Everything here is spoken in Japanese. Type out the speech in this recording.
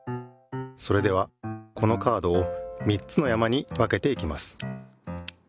それではこのカードを３つの山に分けていきます。